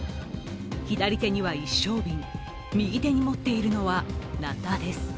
左手には一升瓶、右手に持っているのは、なたです。